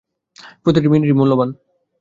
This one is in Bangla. প্রতিটা মিনিটই মূল্যবান।